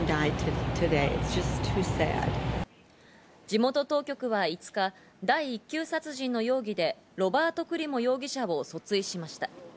地元当局は５日、第１級殺人の容疑で、ロバート・クリモ容疑者を訴追しました。